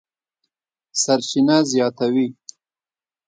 سرچینه زیاتوي،